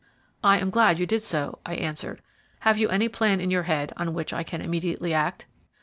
"I am glad you did so," I answered. "Have you any plan in your head on which I can immediately act?"